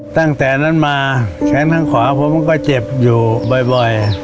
ตั้งแต่นั้นมาแขนข้างขวาผมก็เจ็บอยู่บ่อย